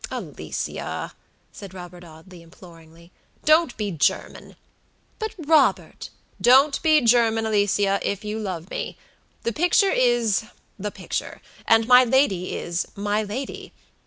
"Alicia," said Robert Audley, imploringly, "don't be German!" "But, Robert" "Don't be German, Alicia, if you love me. The picture isthe picture: and my lady ismy lady.